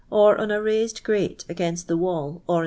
or on a rai»<.d iftate ag.iin»c the wall or in t'l.